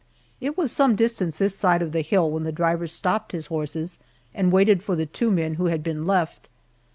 It was some distance this side of the hill when the driver stopped his horses and waited for the two men who had been left.